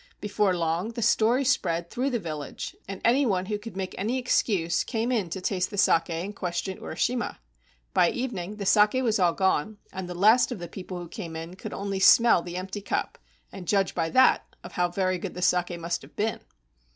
Before long, the story spread through the village, and any one who could make any excuse came in to taste the saki and question Urishima. By evening the saki was all gone, and the last of the people who came in could only smell the empty cup and judge by that of how very good the saki must have been.